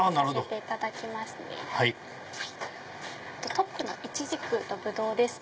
トップのイチジクとブドウ